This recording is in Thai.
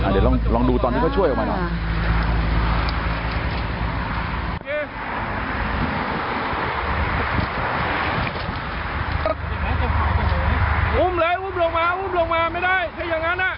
เดี๋ยวลองดูตอนที่เขาช่วยออกมาหน่อย